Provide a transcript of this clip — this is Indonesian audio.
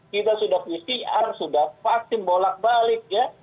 kita sudah pcr sudah vaksin bolak balik ya